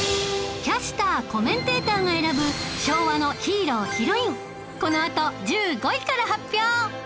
キャスター・コメンテーターが選ぶ昭和のヒーロー＆ヒロインこのあと１５位から発表！